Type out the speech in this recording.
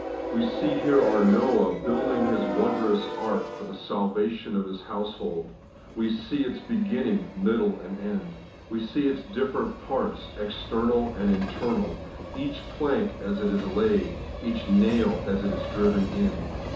We see here our Noah building His wondrous ark for the salvation of His household. We see its beginning, middle, and end. We see its different parts, external and internal ; each plank as it is laid, each naU as it is driven in.